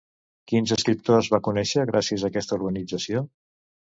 Quins escriptors va conèixer gràcies a aquesta organització?